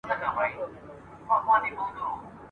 په دوی واړو کي چي مشر وو غدار وو ..